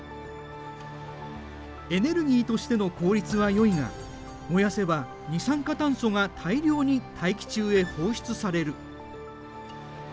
エネルギーとしての効率はよいが燃やせば二酸化炭素が大量に大気中へ放出される。